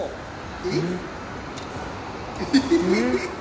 えっ！？